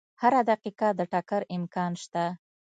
هره دقیقه د ټکر امکان شته.